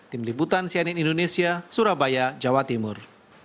tim liputan cianin indonesia surabaya jawa timur